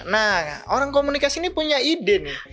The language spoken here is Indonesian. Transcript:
nah orang komunikasi ini punya ide